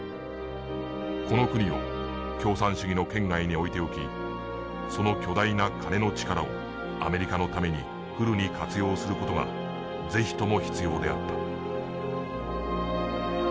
この国を共産主義の圏外に置いておきその巨大な金の力をアメリカのためにフルに活用する事が是非とも必要であった」。